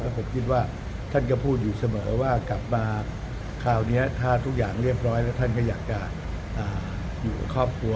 ผมคิดว่าท่านก็พูดอยู่เสมอว่ากลับมาคราวนี้ถ้าทุกอย่างเรียบร้อยแล้วท่านก็อยากจะอยู่กับครอบครัว